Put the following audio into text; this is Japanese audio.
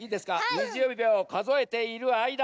２０秒かぞえているあいだ